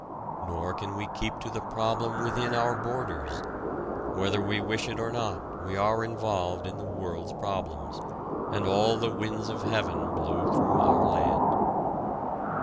Nor can we keep to the problem within our borders. Whether we wish it or not we are involved in the world's problems, and all the winds of heaven blow through our land.